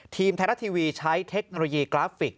ไทยรัฐทีวีใช้เทคโนโลยีกราฟิก